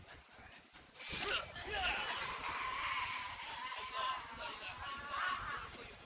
jalan kung jalan se di sini ada pesta besar besaran